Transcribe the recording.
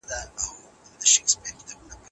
د ماخذ نشتوالی هم یوه لویه ستونزه ده.